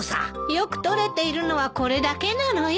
よく撮れているのはこれだけなのよ。